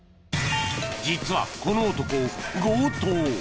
［実はこの男強盗］